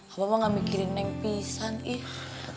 abah mah gak mikirin nenk pisah nih